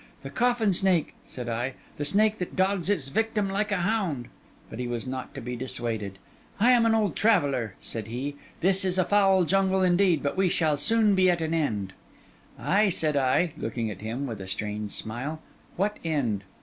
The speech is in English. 'The coffin snake,' said I, 'the snake that dogs its victim like a hound.' But he was not to be dissuaded. 'I am an old traveller,' said he. 'This is a foul jungle indeed; but we shall soon be at an end.' 'Ay,' said I, looking at him, with a strange smile, 'what end?